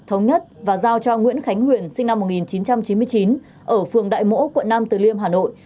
thống nhất và giao cho nguyễn khánh huyền sinh năm một nghìn chín trăm chín mươi chín ở phường đại mỗ quận nam từ liêm hà nội